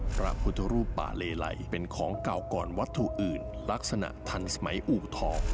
พระพุทธรูปป่าเลไหลเป็นของเก่าก่อนวัตถุอื่นลักษณะทันสมัยอู่ทอง